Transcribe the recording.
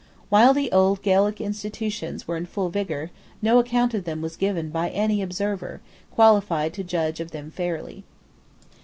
While the old Gaelic institutions were in full vigour, no account of them was given by any observer, qualified to judge of them fairly.